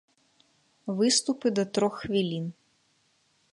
Выступы да трох хвілін.